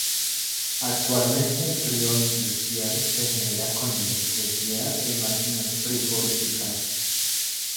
Actualmente, el frío industrial se genera con electricidad en máquinas frigoríficas.